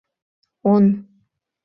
Он...